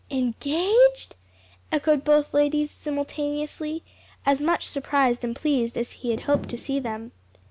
"Engaged?" echoed both ladies simultaneously, as much surprised and pleased as he had hoped to see them.